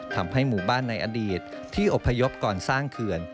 ทำให้หมู่บ้านในอดีตที่อบพยพก่อนสร้างเขื่อน